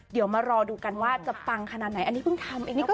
เดี๋ยวมารอดูกันว่าจะปังขนาดไหนอันนี้เพิ่งทำเองดีกว่า